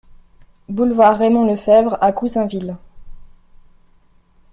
Boulevard Raymond Lefevre à Goussainville